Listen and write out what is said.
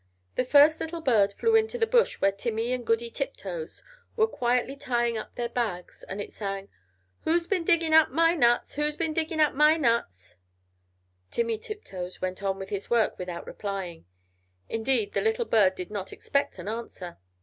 The first little bird flew into the bush where Timmy and Goody Tiptoes were quietly tying up their bags, and it sang "Who's bin digging up my nuts? Who's been digging up my nuts?" Timmy Tiptoes went on with his work without replying; indeed, the little bird did not expect an answer.